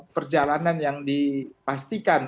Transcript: perjalanan yang dipastikan